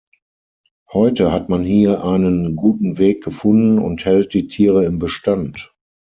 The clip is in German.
Heute hat man hier einen guten Weg gefunden und hält die Tiere im Bestand.